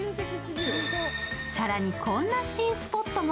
更にこんな新スポットも。